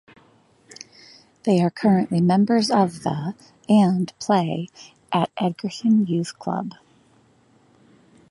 They are currently members of the and play at Egerton Youth Club.